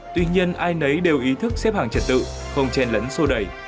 tuy nhiên ai nấy đều ý thức xếp hàng trật tự không chen lẫn sô đẩy